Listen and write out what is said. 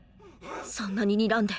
そんなににらんで。